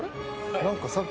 「何かさっき」